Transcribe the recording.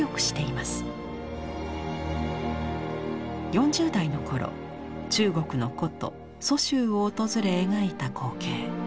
４０代の頃中国の古都蘇州を訪れ描いた光景。